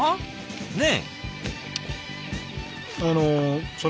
ねえ。